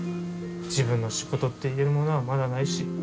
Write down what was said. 自分の仕事って言えるものはまだないし。